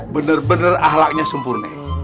bener bener ahlaknya sempurna